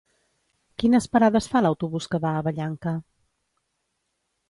Quines parades fa l'autobús que va a Vallanca?